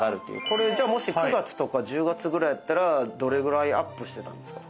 これじゃあもし９月とか１０月ぐらいやったらどれぐらいアップしてたんですか？